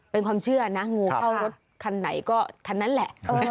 เป็นความเชื่อนะงูเข้ารถคันไหนก็คันนั้นแหละ